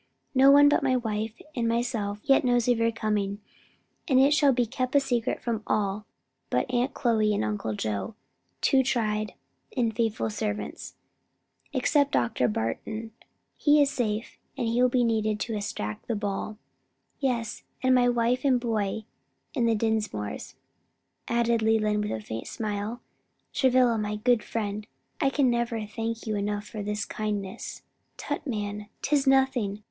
"No one but my wife and myself yet knows of your coming, and it shall be kept secret from all but Aunt Chloe and Uncle Joe, two tried and faithful servants. Except Dr. Barton; he is safe and will be needed to extract the ball." "Yes; and my wife and boy and the Dinsmores," added Leland with a faint smile. "Travilla, my good friend, I can never thank you enough for this kindness." "Tut, man! 'tis nothing!